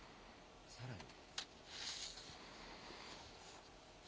さらに。